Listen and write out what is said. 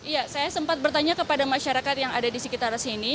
ya saya sempat bertanya kepada masyarakat yang ada di sekitar sini